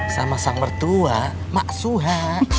sama sang mertua mak suha